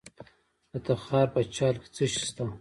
د تخار په چال کې څه شی شته؟